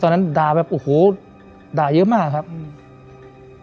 ด่าแบบโอ้โหด่าเยอะมากครับอืม